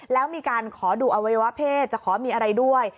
แล้วมีการขอดูอวัยวะเพศจะขอมีอะไรด้วย